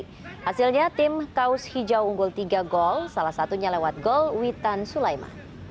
hasilnya tim kaos hijau unggul tiga gol salah satunya lewat gol witan sulaiman